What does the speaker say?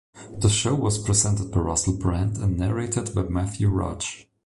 The show was presented by Russell Brand and narrated by Matthew Rudge.